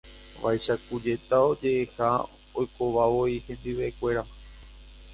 Vaicháku jéta oje'eha oikovavoi hendivekuéra.